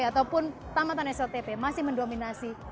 ataupun tamatan sltp masih mendominasi